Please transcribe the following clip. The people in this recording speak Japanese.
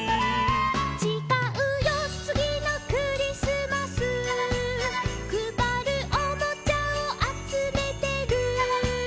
「ちがうよつぎのクリスマス」「くばるおもちゃをあつめてる」